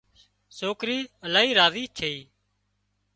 سوڪرِي الاهي راضي ڇئي